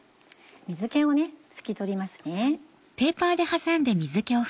水気を拭き取りますね。